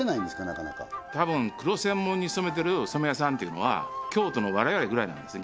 なかなかたぶん黒専門に染めてる染め屋さんっていうのは京都の我々ぐらいなんです